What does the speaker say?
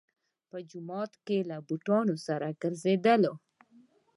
په جومات کې له بوټونو سره ګرځېدلو.